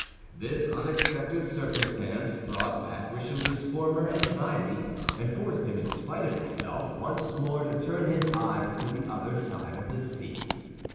This unexpected circumstance brought back Richelieu's former anxiety, and forced him in spite of himself once more to turn his eyes to the other side of the sea.